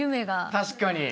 確かに。